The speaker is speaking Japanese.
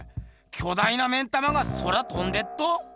巨大な目ん玉が空とんでっと。